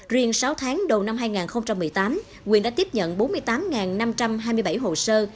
riêng sáu tháng đầu năm hai nghìn một mươi tám quyền đã tiếp nhận bốn mươi tám năm trăm hai mươi bảy hồ sơ